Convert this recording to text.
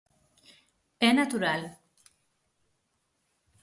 É natural.